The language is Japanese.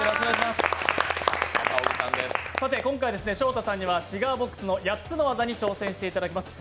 今回しょうたさんにはシガーボックスの８つの技に挑戦していただきます。